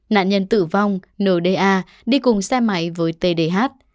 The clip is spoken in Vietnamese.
nạn nhân tử vong n d a đi cùng xe máy với t d h